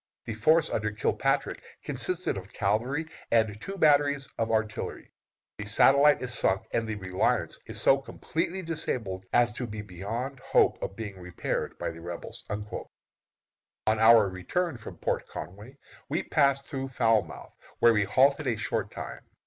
The force under Kilpatrick consisted of cavalry and two batteries of artillery. The Satellite is sunk, and the Reliance so completely disabled as to be beyond hope of being repaired by the Rebels." On our return from Port Conway we passed through Falmouth, where we halted a short time.